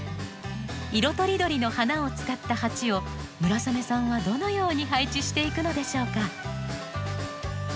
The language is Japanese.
色とりどりの花を使った鉢を村雨さんはどのように配置していくのでしょうか？